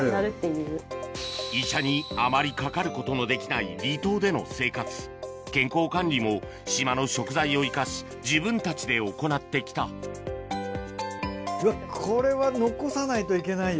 医者にあまりかかることのできない離島での生活健康管理も島の食材を生かし自分たちで行って来たこれは。